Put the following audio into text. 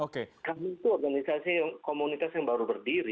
kami itu organisasi komunitas yang baru berdiri